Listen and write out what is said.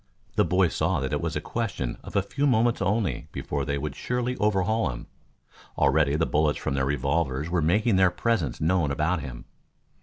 The boy saw that it was a question of a few moments only before they would surely overhaul him. Already the bullets from their revolvers were making their presence known about him.